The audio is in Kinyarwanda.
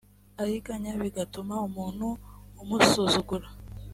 ariganya bigatuma umuntu umusuzugura